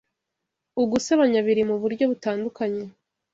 Ugusebanya biri muburyo butandukanye